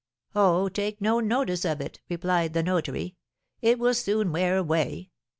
'Oh, take no notice of it,' replied the notary, 'and it will soon wear away.